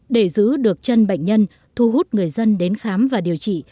để giữ được chân bệnh nhân thu hút người dân đến khám và điều trị